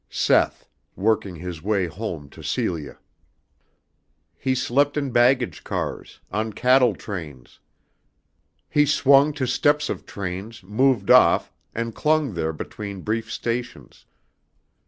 Seth, working his way home to Celia. He slept in baggage cars, on cattle trains. He swung to steps of trains moved off and clung there between brief stations.